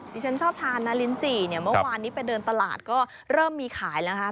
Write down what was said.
ฉันชอบทานนะลิ้นจี่เนี่ยเมื่อวานนี้ไปเดินตลาดก็เริ่มมีขายแล้วค่ะ